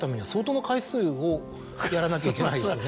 やらなきゃいけないですよね。